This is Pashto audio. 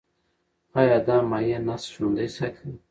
ایا دا مایع نسج ژوندی ساتي؟